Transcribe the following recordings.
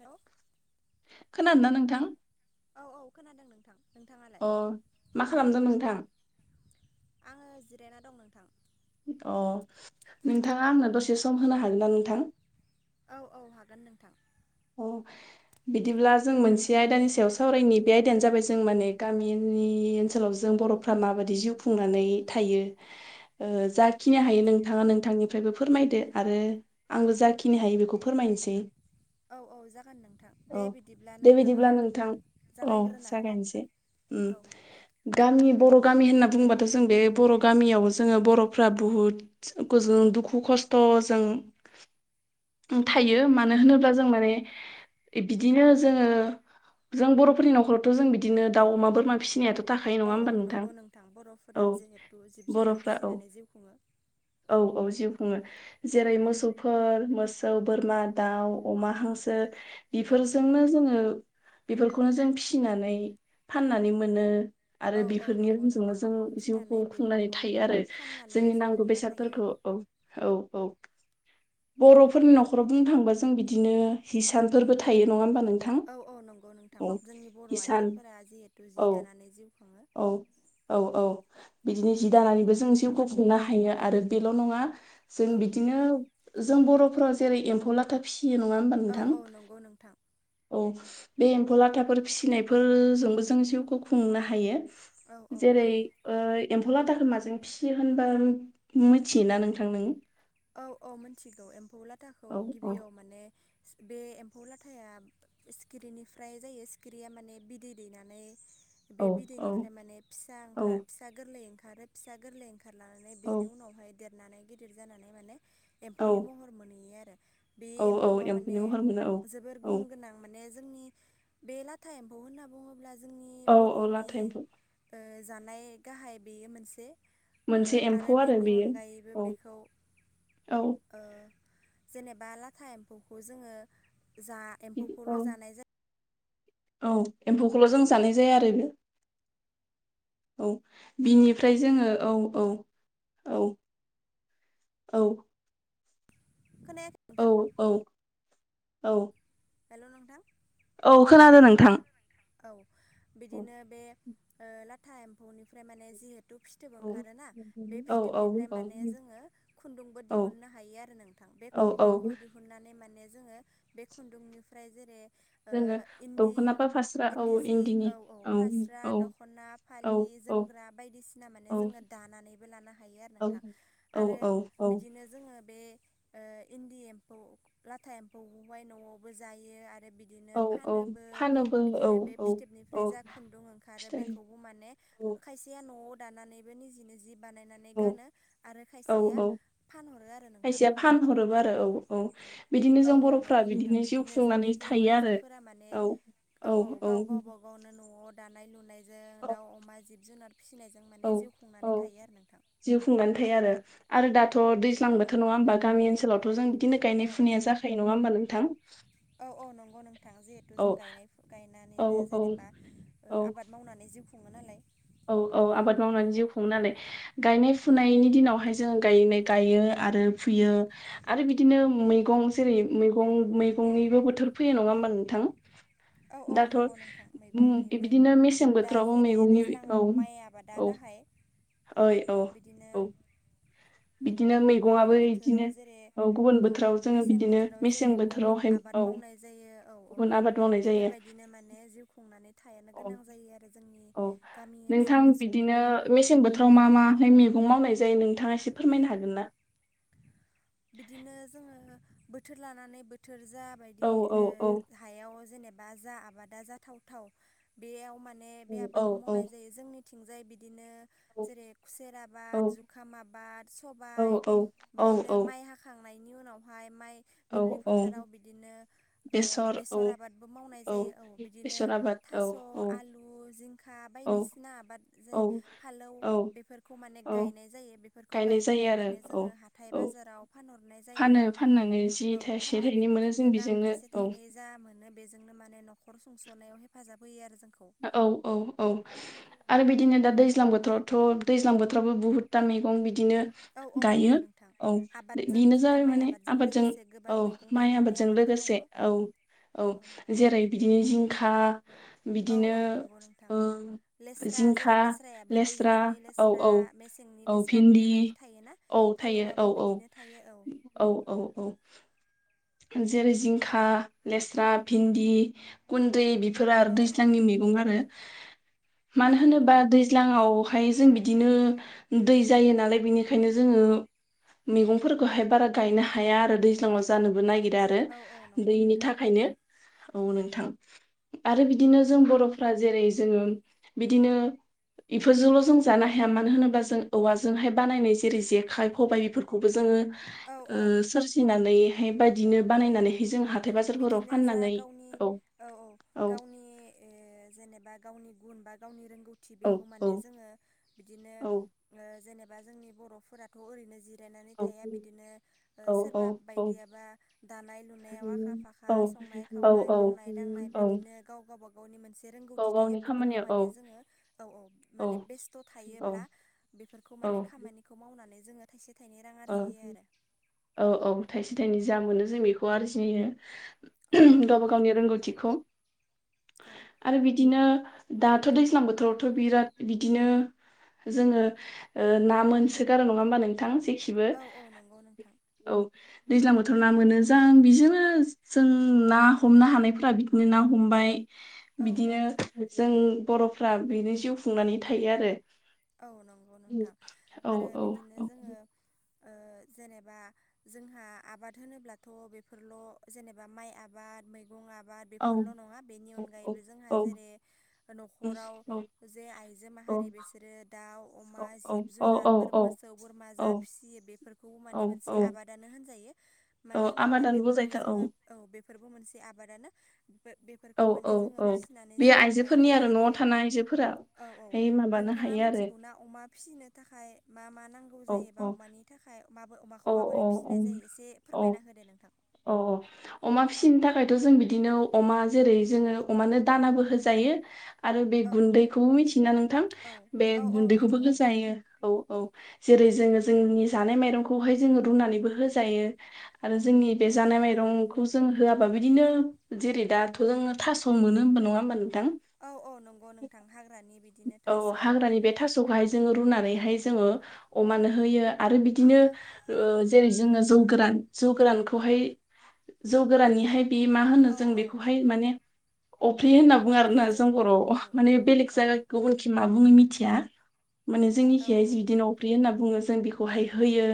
हेल' खोनादों ना नोंथां? औ औ खोनादों नोंथां। नोंथाङालाय अ मा खालामदों नोंथां? आङो जिरायना दं नोंथां। अ नोंथाङा आंनो दसे सम होनो हागोन ना नोंथां? औ औ हागोन नोंथां। अ बिदिब्ला जों मोनसे आयदानि सायाव सावरायनि बे आयदायानो जाबाय जों माने गामि नि ओनसोलाव जों बर'फ्रा माबाददि जिउ खुंनानै थायो। ओ जाखिनि हायो नोंथाङा नोंथांनिफ्रायबो फोरमायदो आरो आंबो जाखिनि हायो बेखौ फोरमाय नोसै। औ औ जागोन नोंथां दे बिदिब्ला दे बिदिब्ला नोंथाङा नोंथां औ जागायग्रोना होदो। जागायनोसै औ उम गामि बर' गामि होनना बुंङबाथ' जों बे बर' गामियाव जोङो बर'फ्रा बुहुद जों दुखु खस खस्थ' जों थायो मानो होनोब्ला जों माने बिदिनो जोङो जों बर'फोरनि न'खरावथ' जों बिदिनो दाउ अमा बोरमा फिसिनायाथ' थाखायो नङा औ होमबा औ नंगौ नोंथां औ बर'फोरा जिहेथु जिब जुनार बर'फ्रा औ फिसिनानै जिउ खुङो। औ औ जिउ खुङो जेरै मोसौफोर, मोसौ, बोरमा, दाउ, अमा, हांसो औ बेफोरजोंनो जोङो बेफोरखौनो जों फिसिनानै फाननानै मोनो आरो औ औ बेफोरनि नंगौ रांजोंनो नोंथां जों जिउखौ फिनानै खुंनानै बेफोरखौ थायो आरो फाननानै जोंनि जिउ नांगौ खुंना थायो बेसादफोरखौ औ औ औ। बर'फोरनि न'खराव बुंनो थांबा जों बिदिनो हिसानफोरबो थायो नङा होमबा? नोंथां औ औ नंगौ नोंथां औ जोंनि बर' हिसान आइजोफोरा जिहेथु जि औ दानानै जिउ खाङो औ औ औ। बिदिनो जि दानानैबो जों जिउखौ खुंनो हायो आरो बेल' नङा जों औ बिदिनो जों बर'फोरा जेरै एम्फौ लाथा फिसियो नङा औ नोंथां औ नंगौ नोंथां। औ बे एम्फौ लाथाफोर फिसिनायफोरजोंबो जों जिउखौ खुंनो हायो। औ औ जेरै हायो ओ एम फौ लाथाखौ माजों फिसियो होनबा मिथियोना नोंथां नों? औ औ मिथिगौ एम्फौ लाथाखौ औ औ गिबियाव माने बे एम्फौ लाथाया सिखिरिनिफ्राय जायो। सिखिरिया माने बिदै दैनानै औ बे औ बिदैनिफ्राय माने फिसा औ ओंखार फिसा गोरलै ओंखारो फिसा गोरलै ओं खारनानै औ बेनि उनावहाय देरनानै गिदिर जानानै माने औ एम्फौनि महर मोनहैयो आरो। बे औ औ एम्फौआ एम्फौनि माने महर मोनो औ जोबोर औ गुन गोनां माने जोंनि बे लाथा एम्फौ होनना बुङोब्ला जोंनि औ औ बर'नि लाथा एमफौ ओ जानाय गाहाय बेयो मोनसे ओ मोनसे एम्फौ आरो बेनि बेयो अनगायैबो औ बेखौ औ। ओ जेनेबा लाथा एम्फौखौ जोङो जा बिदि एम्फौखौल' औ जानाय जाया। औ एम्फौखौल' जों जानाय जाया आरो [unintelligible] औ बिनिफ्राय जोङो औ औ औ औ। खोनायाखै औ नोंथां औ औ। हेल' नोंथां? औ खोनादों नोंथां। औ औ बिदिनो बे ओ लाथा एम्फौनिफ्राय माने जिहेतु फिथोब औ ओंखारोना बे औ औ फिथोबनिफ्राय औ माने जोङो खुन्दुंबो औ दिहुननो हायो आरो नोंथां। बे औ औ खुन्दुंखौ दिहुननानै माने जोङो बे खुन्दुंनिफ्राय जेरै जोङो ओ इन्दि दख'ना बा फास्रा औ इन्दि जि इन्दिनि औ औ फास्रा, औ दख'ना, औ फालि, जोमग्रा बायदिसिना माने औ जों दाना नैबो लानो हायो आरो औ नोंथां आरो औ औ बिदिनो जोङो बे ओ इन्दि एम्फौ लाथा एम्फौखौहाय न'आवबो जायो आरो बिदिनो औ औ फानोबो फानोबो बि औ दिनो बे औ फिथोबनिफ्राय औ जा खुन्दुं ओंखारो फिथाइ बेखौबो माने औ खायसेया न'आव दानानैबो निजिनि जि बानायनानै औ गानो आरो औ खायसेया औ फानहरो आरो नोंथां। खायसेया फानहरोबो आरो औ औ बिदिनो औ जों औ बर'फ्रा नंगौ नोंथां बिदिनो जिउ जोंनि खुंनानै बर' थायो आरो आइजोफोरा माने औ। औ औ। अ दानाय लुनायजों औ। दाउ अमा जिब जुनार फिसिनायजों माने औ जिउ - खुंनानै औ थायो आरो नोंथां जिउ खुंनानैथायो आरो आरो दाथ' थ औ दैज्लां बोथोर नङाहोमबा गामि ओनसोलावथ' जों बिदिनो औ गायनाय - औ फुनाया जाखायो नङा होमबा नोंथां औ औ नंगौ नोंथां जिहेथु औ जों गायनाय औ गायनानैनो औ जेनेबा ओ औ आबाद मावनानै जिउ खुङो नालाय औ औ आबाद मावनानै जिउ खुङो नालाय गायनाय फुनायनि दिनावहाय जोङो गायनाय गायो आरो फुयो आरो बिदिनो मैगं जेरै मैगं मैगंनिबो बोथोर फैयो नङा बा नोंथां औ औ दाथ' नंगौ नोंथां ओम मैगंनिबो बिदिनो मेसें बोथोरावबो मैगंनि औ आङाव माइ आबादा औ गाहाय ओइ औ बिदिनो - औ बिदिनो गुबुन मैगंआबो बोथोराव बिदिनो जेरै औ गुबुन बोथोराव जोङो मेसें बिदिनो बोथोराव जेरै मेसें गुबुन बोथोरावहाय आबाद औ मावनाय जायो औ - औ गुबुन आबाद मावनाय जायो बेफोरबायदिनो माने जिउ खुंनानै थायोनो औ गोनां जायो आरो जोंनि औ गामि नोंथां ओनसोलनि बिदिनो सुबुंफोरा मेसें बोथोराव मा मा मैगं मावनाय जायो नोंथाङा एसे फोरमायनो हागोन ना बिदिनो जोङो बोथोर लानानै बोथोर जा बायदि औ औ औ ओ हायाव जेनेबा जा आबादा जाथावथाव बेयाव मान माने बे औ औ आबादखौ औ मावनाय जायो जोंनिथिंजाय बिदिनो जेरै खुसेर आबाद औ जुखाम, आबाद सबाय बिदिनो औ औ माइ हाखांनायनि उनावहाय माइ औ दुब्लि औ फोथाराव बिदिनो ओ बेसर आबादबो मावनाय जायो औ बिदिनो बेसर आबाद औ थास', औ आलु, जिं खा औ बायदिसिना आबाद जे औ फालौ औ बेफोरखौ माने औ गायनाय जायो बेफोरखौ गायनाय गायनानै जायो नै आरो माने औ जोङो हाथाइ औ बाजाराव फानहरनाय फानो जायो फाननानै जि औ थाइसे फाननानै थाइनै मोनो जों बिदिनो रां बेजोंनो थाइसे, औ थाइनै जा मोनो बेजोंनो माने न'खर सुंस'नायाव हेफाजाब होयो आरो जोंखौ औ - औ - औ आरो बिदिनो दा दैज्लां बोथोरावथ' दैज्लां बोथोरावबो बुहुतथा मैगं बि बिदिनो औ औ गायो नंगौ नोंथां औ आबादजों बेनो जोंना जाबाय माइ मान आबादजों लोगोसे गोबां औ मैगं माइ थाइगंनि आबाद जों आबादबो दङ लोगोसे औ औ जेरै बिदिनो जिंखा बि दिनो नोथां लेस्रा जेरै लेस्रायाबो लेस्रा दैज्लांनि औ लेस्रा औ मेसेंनि औ लेस्रा भिन्दि बेफोरबायदि थायोना औ थायो औ फालौआबो -औ बिदिनो थायो औ -औ -औ -औ जेरै जिंखा, लेस्रा, भिन्दि, खुनद्रि औ औ दैज्लांनि मैं आरो औ मानो नंगौ होनोबा नोंथां दैज्लांआवहाय जों बिदि बिदिनो दै जायो नालाय बिनिखायनो जोङो मैगंफोरखौहाय बारा गायनो हाया आरो दैज्लांआव जानो नायगिरा आरो औ औ नंगौ दैनि नोंथां थाखायनो औ नोंथां आरो बिदिनो जों बर'फ्रा जेरै जोङो बिदिनो इफोरजोंल' जों जानो हाया मानो होनोब्ला जों औवाजोंहाय बानायनाय जेरै - जेखाइ, खबाय बेफोरखौबो जोङो औ औ ओ सोरजिनानैहाय बायदिनो बानायनानैहाय जोंहा बिदिनो जा गावनि औ - औ गावनि जेनेबा गावनि गुन बा गावनि रोंगौथि औ बेखौ माने औ जोङो बिदिनो औ ओ जेने। बा जोंनि बर'फोराथ' ओरैनो जि। नेनानै औ थाया बिदिनो औ सोरबा बायदियाबा दानाय- लुनायाव आखा। फाखा संनाय -खावनाय, औ औ मावनाय -दांनाय औ बिदिनो गाव गावबा गावनि मोनसे गाव रोंगौथि थायो गावनि बेफोरखौ खामानियाव माने। औ जोङो औ - औ माने बेस्थ' थायोब्ला बेफोफोरखौ औ माने खामानिखौ मावनानै। जोङो थाइसे। थाइनै रां औ आरजियो आरो - औ - औ थाइसे थाइनै जा मोनो जों बेखौ आरजियो। औ गावबा -गावनि रोंगौथिखौ औ आरो बिदिनो। दाथ' दैज्लां बोथोरावथ' बिराद बिदिनो। जोंङो ओ ना मोनसोगारो नङा होमबा नोंथां बो औ औ नंगौ नोंथां औ। दैज्लां बोथोराव ना मोनो जां बिजोंनो जों ना हमनो हानायफोरा बिदिनो ना हमबाय। औ औ बिदिनो जों बर'फ्रा बेनो जिउ खुंनानै थायो आरो। औ नंगौ नोंथां औ आरो औ बिदिनो जोंङो। [inaudible] जेनेबा जोंहा आबाद होनोब्लाथ' बेफोरल' जेनेबा माइ आबाद मैगं गं आबाद औ बेफोरल' नङा बेनि औ अनगायैबो जोंहा औ जेरै न'खराव जे आइ। जो औ माहारि बे। [inaudible] अमा औ जिब औ जुनार औ मोसौ बोरमा जा फिसियो बेफोरखौ माने औ मोनसे औ आबादानो होनजायो। औ मानो होनोब्ला आबादानो बेफोरखौ बुजायथार जोंङो औ बेफोरबो मोनसे आबादानो। औ बेफोरखौ माने औ जोंङो औ फिसिनानै बे जिउ खुंनाय आइजोफोरनि जायो आरो न'आव जेरै थानाय आइजोफोरा औ औ। ओमफ्राय माबानो नोंथाङा हायो आरो मिथिगौना अमा फिसिनो थाखाय मा मा नांगौ औ जायोबा औ अमानि थाखाय। खौ औ माबोरै औ औ फिसिनाय जायो एसे औ फोरमायना होदो नोंथां। फ्रायथ' जों बिदिनो अमा जेरै जोंङो अमानो दानाबो होजायो। आरो बे औ औ गुन्दैखौबो मिथियो ना नोंथां औ बे औ औ गुन्दैखौबो मिथिगौ नोंथां होजायो औ औ। जेरै जोंङो जोंनि जानाय माइरंखौहाय जोंङो रुनानैबो होजायो आरो। जोंनि बे औ जानाय औ माइरंखौ जों होआ बा बिदिनो जेरै दाथ' जोंङो थास' मोनो होमबा नङा होमबा नों औ औ नंगौ नोंथां हाग्रानि बिदि औ हाग्रानि बे थास'खौहाय। जोंङो रुनानैहाय जोंङो अमानो होयो आरो बिदिनो जोंङो जौ गोरान। जौ गोरानखौहाय जौ गोराननिहाय बे मा होनो जों औ बेखौहाय माने अफ्रि होनना बुङो अफ्रि आरोना जों जायखौ बर' औ औ माने बेलेग औ जायगा गुबुनखि मा बुङो मिथिया माने जोंनि औ खिहाय जि बिदिनो अफ्रियो होनना बुङो। जों बेखौहाय होयो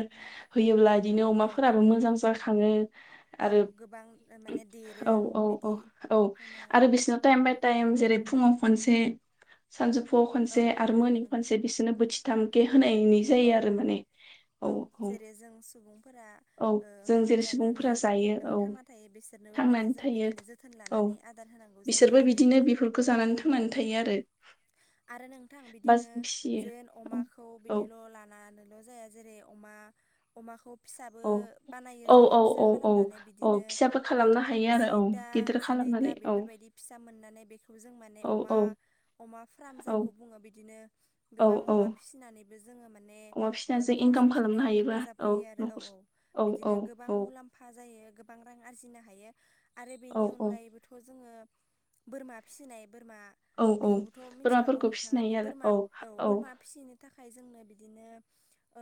होयोब्ला। बिदिनो औ अमाफोराबो नंगौ मोजां नोंथां जाखांङो औ आरो गोबां माने देरो औ औ औ। बिदि औ आरो बिसिनाव टाइम बाय टाइम जेरै फुङाव खनसे। सानजौफुआव औ खनसे औ आरो नंगौ मोनन नोंथां खनसे बिसोनो बोथिथामखे होनायनि औ जायो आरो औ माने। औ जेरै जों सुबुंफोरा औ ओ जों ओंखाम जेरै जानानै सुबुंफोरा जायो औ थांना थायो बेसोर [unintelligible] माने थांनानै जों थायो बिदिनो जोथोन औ लानानै आदार होनांगौ जायो बिसोरबो आरो बिदिनो बेफोरखौ जानानै औ। थांनानै थायो आरो आरो नोंथां बा बिदिनो फिसियो जेन औ अमाखौ औ बिदिल' लानानै जाया जेरै अमा अमाखौ। फिसाबो औ बानायो औ जोंङो औ फिसा औ औ खालामनानै औ बिदिनो फिसाबो औ खालामनो हायो आरो औ जिथा। गिदिर फ्राय दा खालामनानै औ बेफोरबायदि फिसा मोननानै बे। जों माने औ अमा औ अमा फार्म औ जायखौ बुङो बिदिनो औ गोबां औ अमा फिसिनानै। जोंङो माने अमा फिसिनानै ओ जों नखर इनकाम खालामनो संसनायाव हायोबा हेफाजाब आरो औ न'खर औ औ औ बिदिनो गोबां औ मुलाम्फा। जायो गोबां रां आरजिनो हायो आरो औ बेनि अनगायैबोथ' जोंङो। बोरमा फिसिनाय। बोरमा औ औ बेखौबोथ' मिथिखागौ बोरमाफोरखौ फिसिनो नोंथाङाबो हायो आरो बोरमा औ बोरमा फिसिनो थाखाय। फाय जोंनो बिदिनो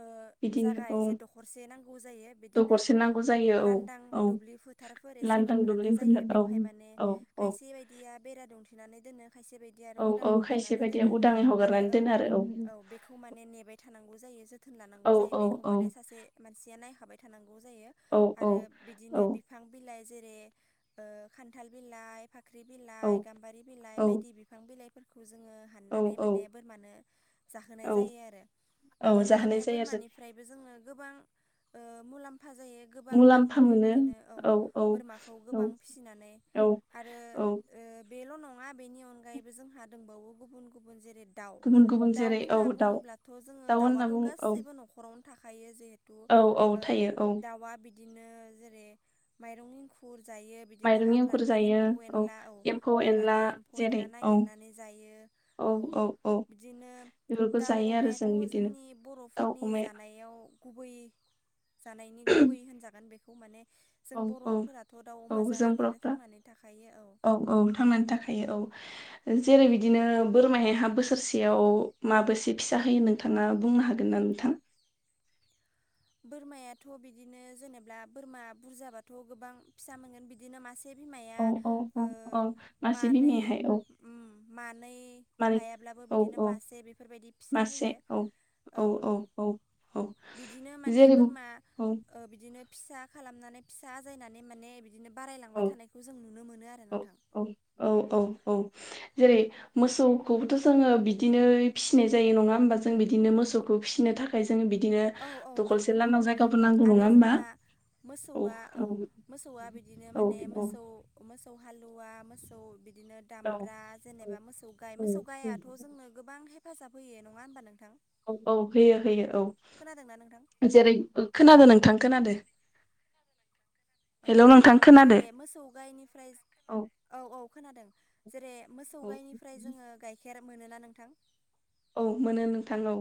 ओ जागा औ एसे दखरसे नांगौ जायो बिदिनो दखरसे नांगौ जायो औ लांदां औ दुब्लि फोथारफोर एसे लांदां मोनब्लानो दुब्लिफोरनो जायो बेयावहाय माने औ औ खायसे बायदिया बेरा दुं थेनानै दोनो खायसे बायदि आरो औ उदां औ खायसे हगारनानै बायदिया दोनो उदाङै आरो हगारनानै दोनो औ औ बे नेबाय थानांगौ जायो जोथोन लानांगौ औ जायो औ बेखौ औ माने सासे मानसिया नायखाबाय थानांगौ गौ जायो औ आरो औ औ बिदिनो बिफां बिलाइ जेरै ओ खान्थाल बिलाइ फाख्रि बिलाइ औ गाम्बारि बिलाइ औ बायदि बिफां बिलाइफोरखौ जोंङो हाननानै औ माने औ बोरमानो जाहो नाय जायो आरो औ बिदिनो माने जाहोनाय जायो आरो बोरमा जों निफ्रायबो जोंङो गोबां ओ मुलाम फानजायो गोबां रां मोनो बिदिनो औ बोरमाखौ औ गोबां फिसिनानै। औ आरो औ ओ बेल' नङा बेनि अनगायैबो जोंहा दंबावो गुबुन गुबुन जेरै दाउ गुबुन गुबुन दाउ जेरै औ होनना दाउ बुङोब्लाथ' जोंङो दाउ होनना दाउआथ' बुं औ गासैबो न'खरावनो थाखायो जे औ औ थायो औ बिदिनो जेरै माइरं एंखुर जायो बिदिनो माइरं एंखुर हाग्रानि जायो एम्फौ एनला औ एम्फौ एनला हाग्रानि एम्फौ जेरै एनला औ नागिरनानै जायो। औ बिदिनो बेफोरखौ दाउ जायो आरो जों अमायाथ' बिदिनो जोंनि दाउ बर'फोरनि अमाया जानायाव गुबै जानायनि गुबै होनजागोन बेखौ माने जों औ औ बर'फोराथ' दाउ औ अमा जों जानानैनो बर'फ्रा थांनानै थाखायो औ औ थांनानै थाखायो औ। [inaudible] ओ जेरै बिदिनो बोरमाया बोसोरसेयाव माबोसे फिसा होयो नोंथाङा बुंनो हागोन ना नोंथां बोरमायाथ' बिदिनो जेनेब्ला बोरमा बुरजाबाथ' गोबां फिसा मोनगोन बिदिनो मा से बिमाया औ औ ओ औ औ मासे मानै बिमायाहाय औ अम मानै मानै हाया ब्लाबो औ बिदिनो औ मासे बेफोरबायदि फिसा मासे होयो। औ औ औ औ औ बिदिनो माने जेरै बोरमा औ ओ बिदिनो फिसा खालामनानै फिसा आजायनानै माने बि दिनो औ बारायलांबाय थानायखौ जों नुनो मोनो आरो औ नोंथां। औ औ औ जेरै मोसौखौबोथ' जोंङो बिदिनो फिसिनाय जायो नंङा होमबा जों बिदिनो मोसौखौ फिसिनो थाखाय जों बिदिनो औ औ नंगौ दखलसे लांदां नोंथां जायगाफोर नांगौ आरो नंङा होमबा जोंहा मोसौआ औ मोसौआ बिदिनो औ माने मोसौ ओ मो सौ हालुवा मोसौ बि दिनो औ दामब्रा औ जेनेबा मोसौ गाय मोसौ गायाथ' औ जोंनो गोबां हे फाजाब होयो नंङा होमबा नोंथां। औ औ होयो होयो खोनादोंना नोंथां औ जेरै ओ खोनादों नोंथां खोनादो। औ हेलौ नोंथां खोनादो जेरै मोसौ गायनिफ्राय जो औ औ खोनादों जेरै मोसौ गायनिफ्राय औ जोंङो गाइखेर मोनोना नोंथां। औ मोनो नोंथां औ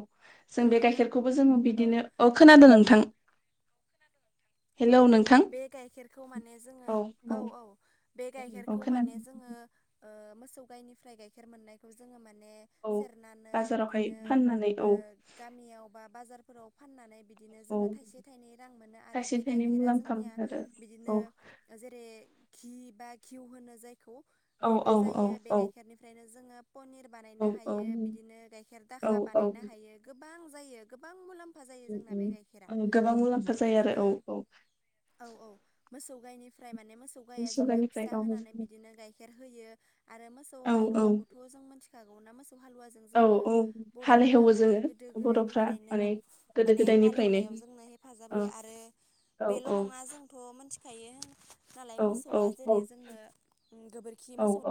जों हेलौ बे नोंथां गाइखेरखौबो जोंङो औ बिदिनो अ खोनादों नोंथां। औ हेलौ नोंथां बे गाइखेरखौ माने जोंङो औ औ बे औ गाइखेरखौ माने खोनादों जोंङो ओ मोसौ गाइनिफ्राय गाइखेर मोननायखौ जोंङो मा ने औ सेरनानै बाजारावहाय बिदिनो फाननानै औ ओ गामियावबा बाजारफोराव फाननानै बिदिनो औ जोंङो थाइसे थाइनै रां मोनो आरो थाइसे बे थाइनै गाइखेरा मुलाम्फा जोंनिया मोनो आरो बिदिनो औ जेरै घि बा घुइ होनो जाय खौ औ बेबो औ औ जायो बे औ गाइखेरनिफ्रायनो जोंङो पुनिर बानायनो औ औ हायो बिदिनो गाइखेर औ दाखा औ बानायनो हायो गोबां जायो गोबां मुलाम अम अम ओं गोबां मुलाम्फा जायो आरो बिदिनो औ औ। औ औ मोसौ गायनिफ्राय माने मोसौ औ गाइया जोंनो सबाइनिफ्राय फिसा औ होनानै बिदिनो गाय खेर होयो आरो मोसौ औ हालुवाखौथ' जों मिथिखागौ ना मोसौ हालुवाजों औ जोंङो औ बर'फोरा हालेहेवो माने गोदो जोङो बर'फ्रा गोदायनिफ्रायनो माने औ गोदो माने गोदायनिफ्रायनो हालेवनायाव जोंनो हेफाजाब औ होयो आरो औ बेल' औ नङा जोंथ' मिथिखायो नालाय औ मोसौआ औ जेरै जोंनो गोबोरखि औ मोसौ औ